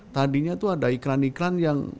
tadinya tuh ada iklan iklan yang